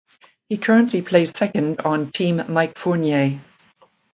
He currently plays second on Team Mike Fournier.